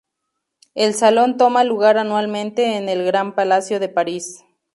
El Salón toma lugar anualmente en el Gran Palacio de París.